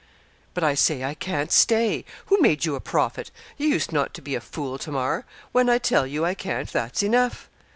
'But I say I can't stay. Who made you a prophet? You used not to be a fool, Tamar; when I tell you I can't, that's enough.'